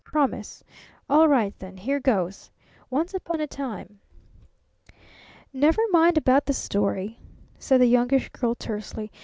Promise? All right then. Here goes. Once upon a time ' "Never mind about the story," said the Youngish Girl tersely.